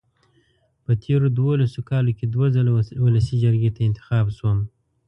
په تېرو دولسو کالو کې دوه ځله ولسي جرګې ته انتخاب شوم.